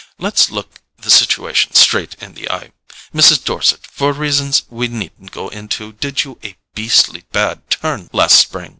Let's look the situation straight in the eye. Mrs. Dorset, for reasons we needn't go into, did you a beastly bad turn last spring.